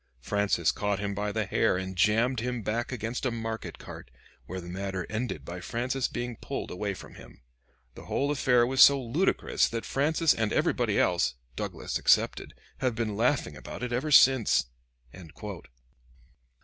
Francis caught him by the hair and jammed him back against a market cart, where the matter ended by Francis being pulled away from him. The whole affair was so ludicrous that Francis and everybody else, Douglas excepted, have been laughing about it ever since."